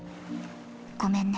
ごめんね。